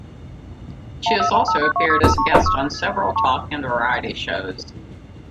She has also appeared as a guest on several talk and variety shows.